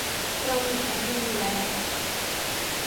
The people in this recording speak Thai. เรามีแผนดีอยู่แล้ว